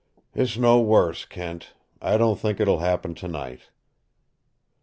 "It's no worse, Kent. I don't think it will happen tonight."